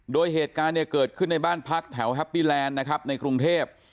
โดยเหตุการณ์เนี่ยเกิดขึ้นในบ้านพักแถวแฮปปี้แลนด์นะครับในกรุงเทพ